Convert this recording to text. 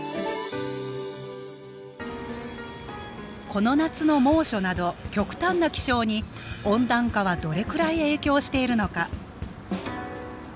この夏の猛暑など極端な気象に温暖化はどれくらい影響しているのか？